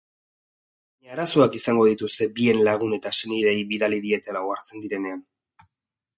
Baina arazoak izango dituzte bien lagun eta senideei bidali dietela ohartzen direnean.